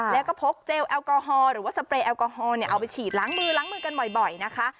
แล้วก็พกเจลแอลกอฮอล์หรือว่าสเปรย์แอลกอฮอลเอาไปฉีดล้างมือล้างมือกันบ่อยนะคะ